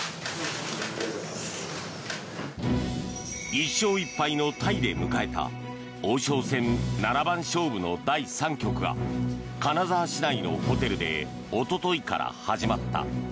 １勝１敗のタイで迎えた王将戦七番勝負の第３局が金沢市内のホテルでおとといから始まった。